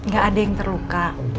gak ada yang terluka